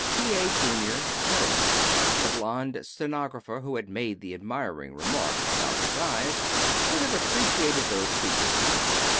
T. A. Junior rose. The blonde stenographer who had made the admiring remark anent his eyes would have appreciated those features now.